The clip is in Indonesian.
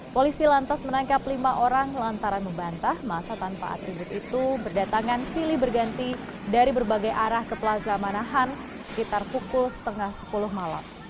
polisi lantas menangkap lima orang lantaran membantah masa tanpa atribut itu berdatangan silih berganti dari berbagai arah ke plaza manahan sekitar pukul setengah sepuluh malam